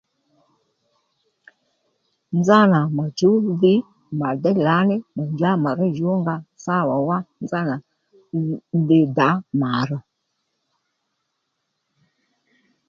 Nzánà mà chǔw dhi mà déy lǎní mà njǎ mà ró djǔw ó nga sáwà wá nzánà dhi dǎ mà rò